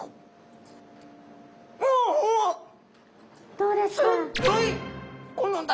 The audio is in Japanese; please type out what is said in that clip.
どうですか？